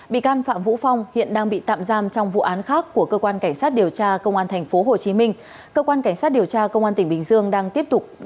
bị can phạm vũ phong hiện đang bị tạm giam trong vụ án khác của cơ quan cảnh sát điều tra công an tp hcm cơ quan cảnh sát điều tra công an tỉnh bình dương đang tiếp tục điều tra mở rộng vụ án